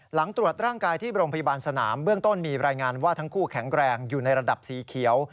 หลังตรวจร่างกายที่โรงพยาบาลสนามเบื้องต้นมีรายงานว่าทั้งคู่แข็งแรงอยู่ในระดับสีเขียว